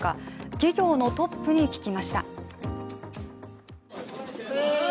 企業のトップに聞きました。